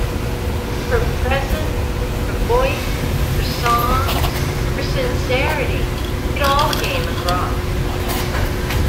Her presence, her voice, her songs, her sincerity-it all came across.